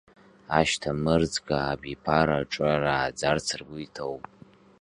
Ашьҭамырӡга абиԥара ҿа рааӡарц ргәы иҭоуп.